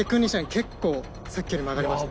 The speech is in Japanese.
結構さっきより曲がりました。